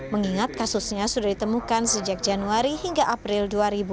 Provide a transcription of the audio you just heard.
mengingat kasusnya sudah ditemukan sejak januari hingga april dua ribu dua puluh